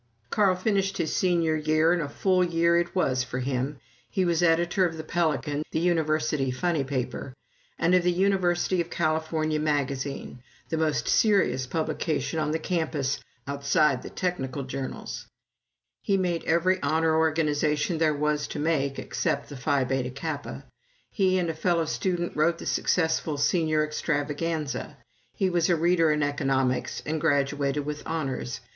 Carl finished his Senior year, and a full year it was for him. He was editor of the "Pelican," the University funny paper, and of the "University of California Magazine," the most serious publication on the campus outside the technical journals; he made every "honor" organization there was to make (except the Phi Beta Kappa); he and a fellow student wrote the successful Senior Extravaganza; he was a reader in economics, and graduated with honors.